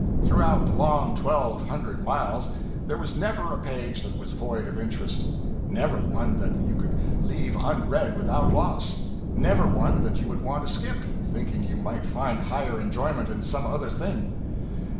Throughout the long twelve hundred miles there was never a page that was void of interest, never one that you could leave unread without loss, never one that you would want to skip, thinking you could find higher enjoyment in some other thing.